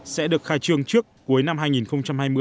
sẽ được khai trương trước cuối năm